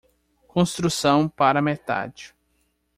Construção para metade